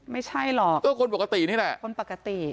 ไม่ใช่หรอกก็คนปกตินี่แหละคนปกติ